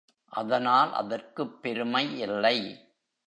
அதனால் அதற்குப் பெருமை இல்லை.